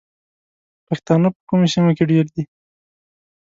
پښتانه په کومو سیمو کې ډیر دي؟